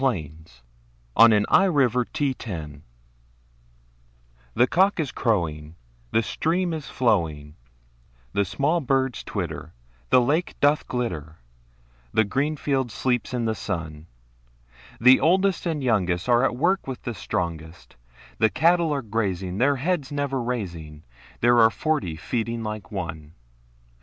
William Wordsworth Written in March THE cock is crowing, The stream is flowing, The small birds twitter, The lake doth glitter The green field sleeps in the sun; The oldest and youngest Are at work with the strongest; The cattle are grazing, Their heads never raising; There are forty feeding like one!